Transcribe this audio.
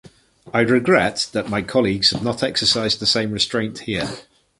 I regret that my colleagues have not exercised the same restraint here.